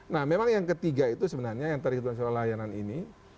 nah memang yang ketiga itu sebenarnya yang tadi kita bicara soal layanan ini